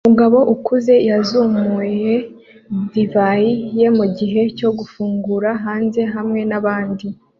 Umugabo ukuze yazamuye divayi ye mugihe cyo gufungura hanze hamwe nabandi